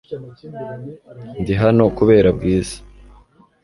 Ndi hano kubera Bwiza .